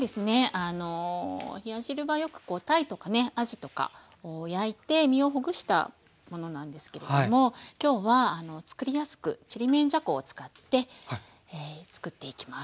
あの冷や汁はよくこうたいとかねあじとかを焼いて身をほぐしたものなんですけれども今日は作りやすくちりめんじゃこを使って作っていきます。